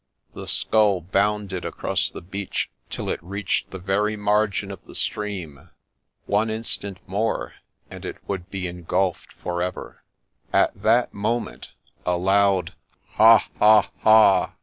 ' The skull bounded across the beach till it reached the very margin of the stream ;— one instant more, and it would be engulfed for ever. At that moment a loud ' Ha ! ha ! ha